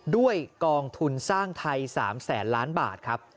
ด้วยกองทุนสร้างไทย๓แสนล้านบาทครับ